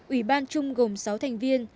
ủy ban chung gồm sáu thành viên